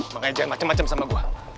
mengajari macem macem sama gue